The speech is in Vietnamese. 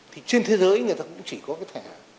thì trên thế giới người ta cũng chỉ có cái thẻ